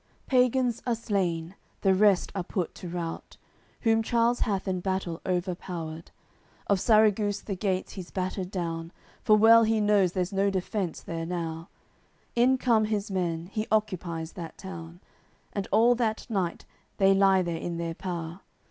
CCLXV Pagans are slain; the rest are put to rout Whom Charles hath in battle overpowered. Of Sarraguce the gates he's battered down, For well he knows there's no defence there now; In come his men, he occupies that town; And all that night they lie there in their pow'r.